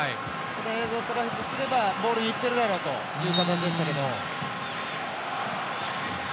エザトラヒとすればボールにいってるだろ！という形でしたけど。